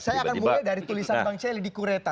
saya akan mulai dari tulisan bang celi di kureta